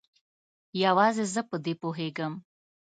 یوازې زه په دې پوهیږم